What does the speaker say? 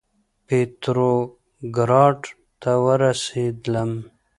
پتروګراډ ته ورسېدلم.